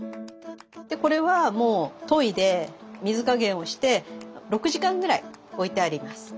でこれはもうといで水加減をして６時間ぐらい置いてあります。